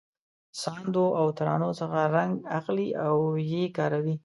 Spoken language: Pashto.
ساندو او ترانو څخه رنګ اخلي او یې کاروي.